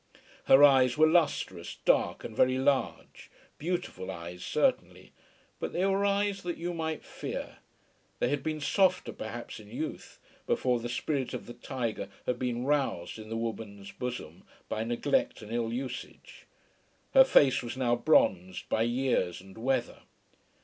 Her eyes were lustrous, dark, and very large, beautiful eyes certainly; but they were eyes that you might fear. They had been softer perhaps in youth, before the spirit of the tiger had been roused in the woman's bosom by neglect and ill usage. Her face was now bronzed by years and weather.